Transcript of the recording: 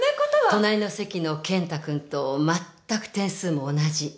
隣の席の健太君とまったく点数も同じ。